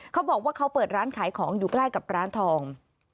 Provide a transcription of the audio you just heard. เขาบอกว่าเขาเปิดร้านขายของอยู่ใกล้กับร้านทอง